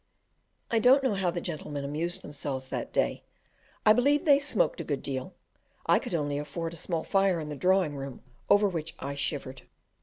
I don't know how the gentlemen amused themselves that day; I believe they smoked a good deal; I could only afford a small fire in the drawing room, over which I shivered.